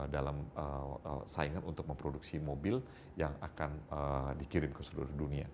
dalam saingan untuk memproduksi mobil yang akan dikirim ke seluruh dunia